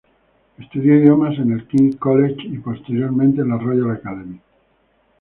Estudió idiomas en el King’s College y posteriormente en la Royal Academy.